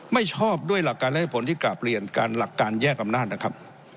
ไม่ชอบด้วยหลักการและผลที่กราบเรียนการหลักการแยกอำนาจนะครับ